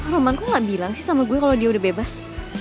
roman kok gak bilang sih sama gue kalo dia udah bebas